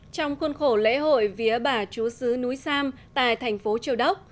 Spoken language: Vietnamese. trong khuôn khổ lễ hội vía bà chúa sứ núi sam tại thành phố châu đốc